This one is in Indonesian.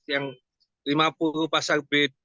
yang lima puluh pasar brid